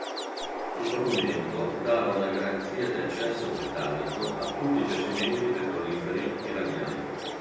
Il documento dava una garanzia di accesso britannico a tutti i giacimenti petroliferi iraniani.